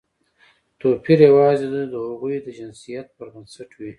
توپیر یوازې د هغوی د جنسیت پر بنسټ وي.